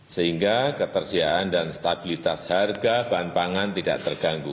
sehingga ketersediaan dan stabilitas harga bahan pangan tidak terganggu